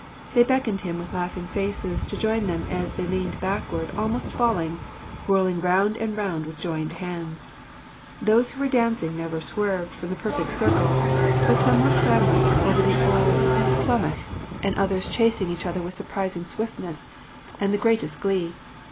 They beckoned him with laughing faces to join them as they leaned backward almost falling, whirling round and round with joined hands. Those who were dancing never swerved from the perfect circle; but some were clambering over the old cromlech, and others chasing each other with surprising swiftness and the greatest glee.